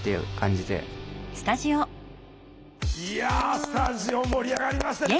いやスタジオ盛り上がりましたね。